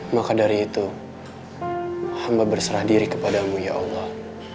maka dari itu hamba berserah diri kepadamu ya allah